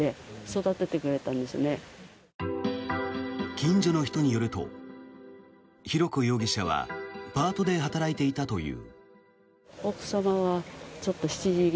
近所の人によると浩子容疑者はパートで働いていたという。